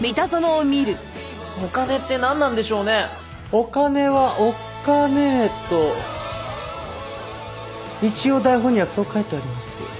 「お金はおっかねえ」と一応台本にはそう書いてあります。